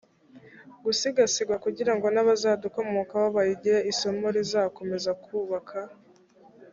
gusigasirwa kugirango n abazadukomokaho bayigire isomo rizakomeza kubaka